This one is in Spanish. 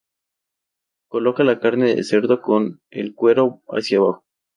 Coloca la carne de cerdo con el cuero hacia abajo.